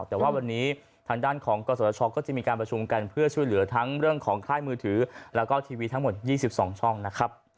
แต่ว่าวันนี้ทางด้านของกศชก็จะมีการประชุมกันเพื่อช่วยเหลือทั้งเรื่องของค่ายมือถือแล้วก็ทีวีทั้งหมด๒๒ช่องนะครับ